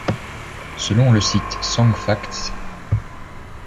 Selon le site Songfacts,